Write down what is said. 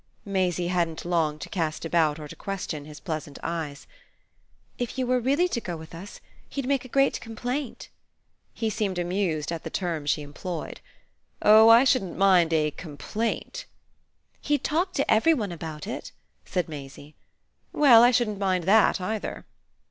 Maisie hadn't long to cast about or to question his pleasant eyes. "If you were really to go with us? He'd make a great complaint." He seemed amused at the term she employed. "Oh I shouldn't mind a 'complaint'!" "He'd talk to every one about it," said Maisie. "Well, I shouldn't mind that either."